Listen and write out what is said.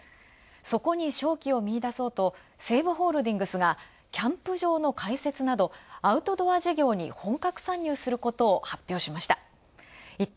そこに商機を見いだそうと、西武ホールディングスがキャンプ場の開設などアウトドア事業に本格参入することを発表しました。